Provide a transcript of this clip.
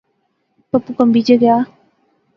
پیو کنبی جے گیا